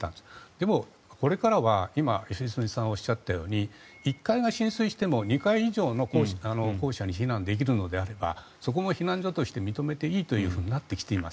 でもこれからは、今良純さんがおっしゃったように１階が浸水しても２階以上の建物に避難できるのであればそこも避難所として認めていいとなってきています。